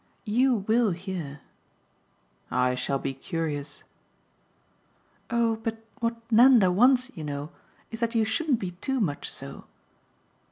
"You WILL hear." "I shall be curious." "Oh but what Nanda wants, you know, is that you shouldn't be too much so."